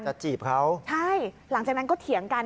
จีบเขาใช่หลังจากนั้นก็เถียงกัน